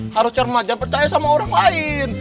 harus cermat dan percaya sama orang lain